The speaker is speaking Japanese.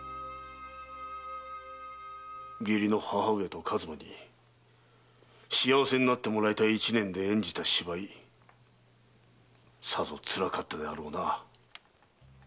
義理の母上と数馬に幸せになってもらいたい一念で演じた芝居さぞつらかったであろうな。